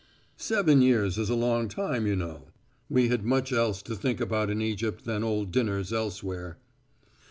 "Seven years is a long time, you know. We had much else to think about in Egypt than old dinners elsewhere."